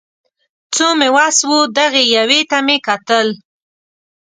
څو مې وس و دغې یوې ته مې کتل